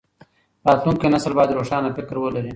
راتلونکی نسل بايد روښانه فکر ولري.